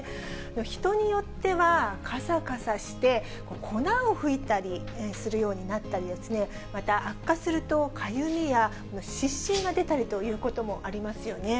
人によっては、かさかさして、粉をふいたりするようになったり、また悪化するとかゆみや湿疹が出たりということもありますよね。